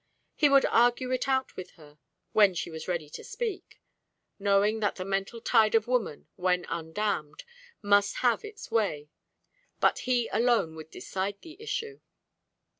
He would argue it out with her, when she was ready to speak, knowing that the mental tide of woman, when undammed, must have its way; but he alone would decide the issue.